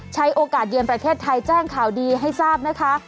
ใช้โอกาสเยือนประเทศไทยแจ้งข่าวดีให้ทราบนะคะ